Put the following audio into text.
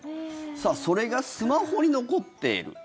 それがスマホに残っている。